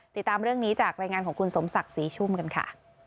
ติดตามเรื่องนี้จากรายงานของคุณสมศักดิ์ศรีชุ่มกันค่ะ